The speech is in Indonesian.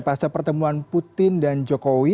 pasca pertemuan putin dan jokowi